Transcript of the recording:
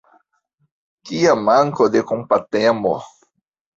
Kia manko de kompatemo!